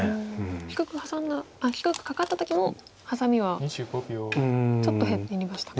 低くカカった時もハサミはちょっと減りましたか。